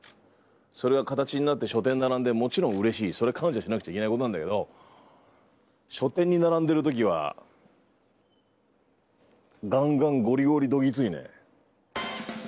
それが形になって書店に並んでもちろんうれしいそれ、感謝しなくちゃいけないことなんだけど書店に並んでる時はガンガンゴリゴリドギツいね。